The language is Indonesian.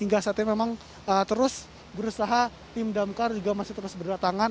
hingga saat ini memang terus berusaha tim damkar juga masih terus berdatangan